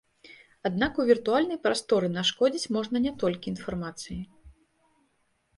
Аднак у віртуальнай прасторы нашкодзіць можна не толькі інфармацыяй.